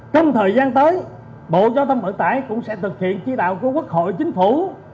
trong thời gian tới bộ giao thông vận tải cũng sẽ thực hiện chi đạo của quốc hội chính phủ